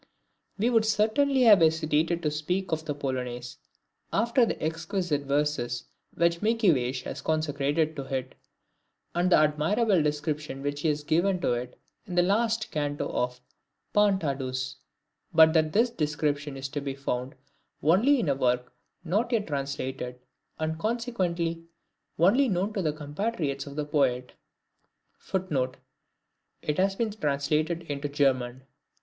We would certainly have hesitated to speak of the Polonaise, after the exquisite verses which Mickiewicz has consecrated to it, and the admirable description which he has given of it in the last Canto of the "Pan Tadeusz," but that this description is to be found only in a work not yet translated, and, consequently, only known to the compatriots of the Poet. [Footnote: It has been translated into German.